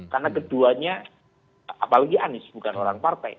karena keduanya apalagi anies bukan orang partai